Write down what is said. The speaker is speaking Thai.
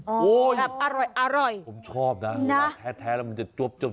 โอ้ยอร่อยโอ่ยผมชอบนะแท๊ะแล้วมันจะครินจ๊วบด้วย